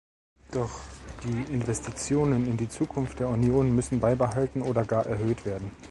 Doch die Investitionen in die Zukunft der Union müssen beibehalten oder gar erhöht werden.